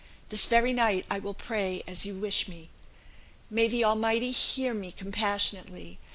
This very night I will pray as you wish me. May the Almighty hear me compassionately!